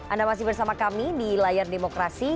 anda masih bersama kami di layar demokrasi